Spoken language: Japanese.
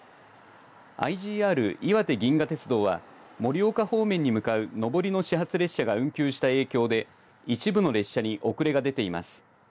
ＩＧＲいわて銀河鉄道は盛岡方面に向かう上りの始発電車が運休した影響で一部の列車に遅れが出ています。